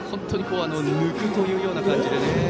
抜くというような感じで。